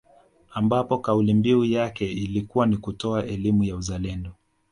Ambapo kauli mbiu yake ilikuwa ni kutoa elimu ya uzalendo